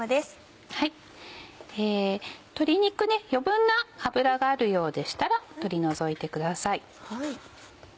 鶏肉余分な脂があるようでしたら取り除いてください。